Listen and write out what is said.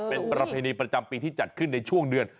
เป็นประเพณีประจำปีที่จัดขึ้นในช่วงเดือน